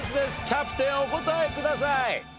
キャプテンお答えください。